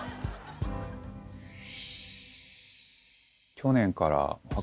去年から。